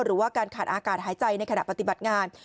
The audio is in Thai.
หรือว่าการขาดอากาศหายใจในขณะปฏิบัติงาน